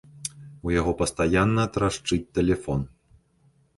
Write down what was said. У яго пастаянна трашчыць тэлефон.